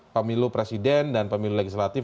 pemilu presiden dan pemilu legislatif